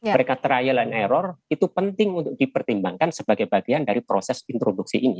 mereka trial and error itu penting untuk dipertimbangkan sebagai bagian dari proses introduksi ini